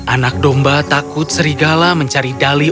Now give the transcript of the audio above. anak domba takut serigala mencari dali